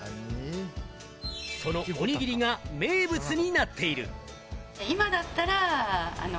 そのおにぎりが名物になっている。